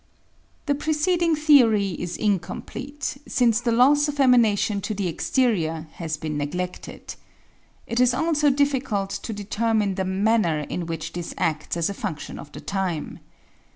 The preceding theory is incomplete, since the loss of emanation to the exterior has been negledted. It is also difficult to determine the manner in which this acis as a fundlion of the time.